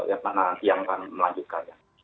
ee yang akan melanjutkannya